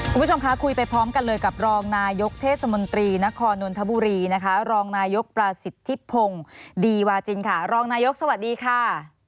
คุณผู้ชมคะคุยไปพร้อมกันเลยกับรองนายกเทศมนตรีนครนนทบุรีนะคะรองนายกประสิทธิพงศ์ดีวาจินค่ะรองนายกสวัสดีค่ะ